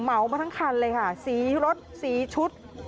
เหมามาทั้งคันเลยค่ะสีรถสีชุด